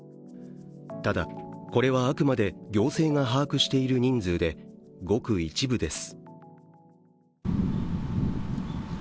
ただ、これはあくまで行政が把握している人数で、ごく一部です。